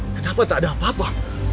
kenapa tak ada apa apa